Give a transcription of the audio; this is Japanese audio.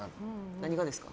何がですか？